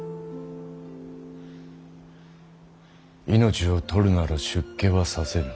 命を取るなら出家はさせぬ。